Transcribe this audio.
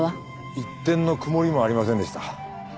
一点の曇りもありませんでした。